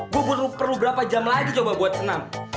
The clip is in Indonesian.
gua perlu berapa jam lagi coba buat senam